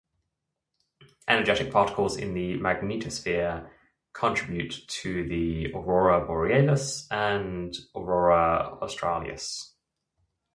Energetic particles in the magnetosphere contribute to the aurora borealis and aurora australis.